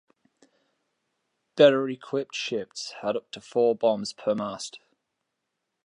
Better equipped ships had up to four booms per mast.